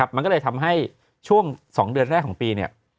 มันก็เลยทำให้ช่วง๒เดือนแรกของปีเนี่ย